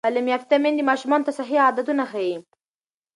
تعلیم یافته میندې ماشومانو ته صحي عادتونه ښيي.